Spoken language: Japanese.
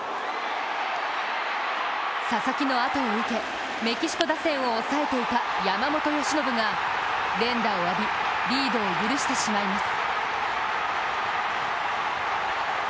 佐々木のあとを受け、メキシコ打線を抑えていた山本由伸が連打を浴びリードを許してしまいます。